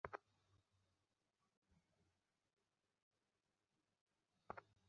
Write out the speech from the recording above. তারপর বিন্দুর কথা জিজ্ঞাসা করিয়া কুসুম শশীকে একটু অবাক করিয়া দিল।